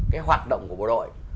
cái hoạt động của bộ đội